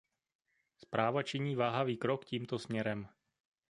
Zpráva činí váhavý krok tímto směrem.